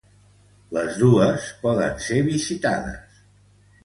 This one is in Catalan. Les dos poden ser visitades.